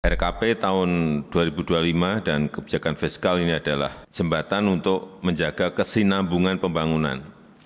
rkp tahun dua ribu dua puluh lima dan kebijakan fiskal ini adalah jembatan untuk menjaga kesinambungan pembangunan